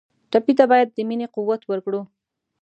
ټپي ته باید د مینې قوت ورکړو.